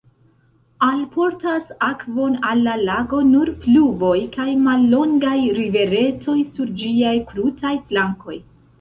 Alportas akvon al la lago nur pluvoj kaj mallongaj riveretoj sur ĝiaj krutaj flankoj.